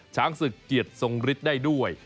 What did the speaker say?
ช้างศึกเกียรติทรงฤทธิ์ได้ด้วย